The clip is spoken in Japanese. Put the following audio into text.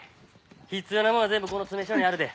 必要なもんは全部この詰所にあるで。